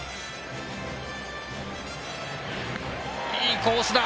いいコースだ。